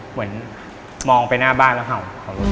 เหมือนมองไปหน้าบ้านแล้วเห่า